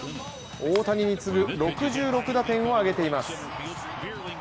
大谷に次ぐ６６打点を挙げています。